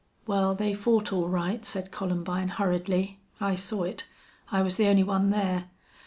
"Well, they fought, all right," said Columbine, hurriedly. "I saw it. I was the only one there.